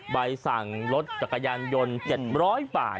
ใบสั่งรถจักรยานยนต์๗๐๐บาท